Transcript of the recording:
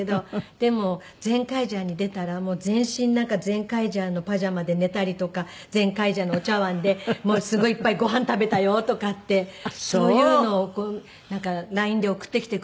でも『ゼンカイジャー』に出たら全身なんか『ゼンカイジャー』のパジャマで寝たりとか『ゼンカイジャー』のお茶わんでもうすごいいっぱいごはん食べたよ！とかってそういうのをＬＩＮＥで送ってきてくれるんですけど。